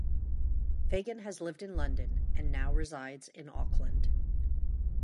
Fagan has lived in London and now resides in Auckland.